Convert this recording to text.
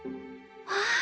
わあ。